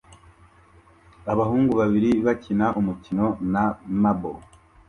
Abahungu babiri bakina umukino na marble